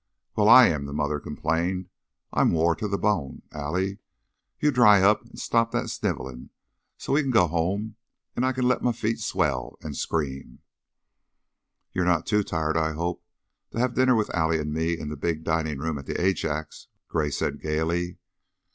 "Well, I am," the mother complained. "I'm wore to the bone. Allie! You dry up an' stop that snivelin' so we kin go home and I kin let my feet swell, an' scream." "You're not too tired, I hope, to have dinner with Allie and me in the big dining room at the Ajax?" Gray said, gayly.